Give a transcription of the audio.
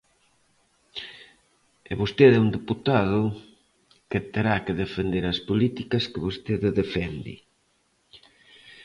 E vostede é un deputado que terá que defender as políticas que vostede defende.